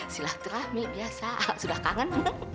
silah tiramik biasa sudah kangen